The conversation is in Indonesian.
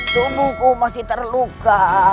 tubuhku masih terluka